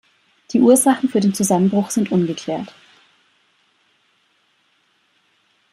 Die Ursachen für den Zusammenbruch sind ungeklärt.